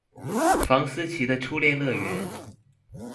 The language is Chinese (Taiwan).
房思琪的初戀樂園